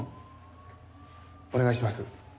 お願いします。